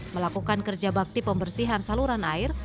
melakukan kerja bakti pembersihan saluran air